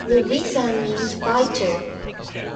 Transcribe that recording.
Lovisa means fighter.